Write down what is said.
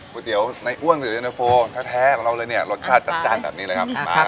ก๋วยเตี๋ยวในอ้ว่งหรือในโฟล์ถ้าแท้ของเราเลยเนี่ยรสชาติจัดจ้านแบบนี้เลยครับ